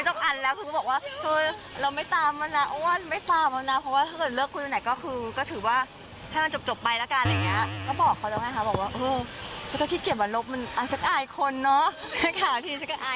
สัปดาห์อาทิตย์ก็อายคนแบบนี้ค่ะ